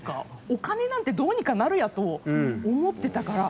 お金なんて、どうにかなるやと思ってたから。